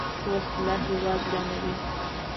وسله هیواد ورانوي